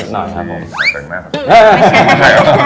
แต่งหน้าด้วยผักชี